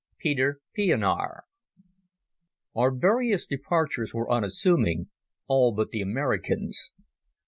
Peter Pienaar Our various departures were unassuming, all but the American's.